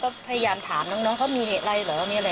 ก็ไม่รู้ว่าอดีตสามีฉุดไปจะไปทำอะไรไม่ดีหรือเปล่า